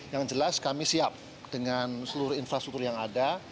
yang jelas kami siap dengan seluruh infrastruktur yang ada